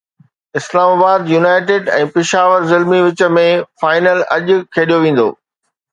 اسلام آباد يونائيٽيڊ ۽ پشاور زلمي وچ ۾ فائنل اڄ کيڏيو ويندو